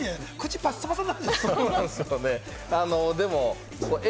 口、パッサパサになるんじゃそうですね。